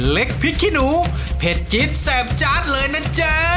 เล็กพิกขี้หนูเพชจิตแสบจาดเลยนะจ๊ะ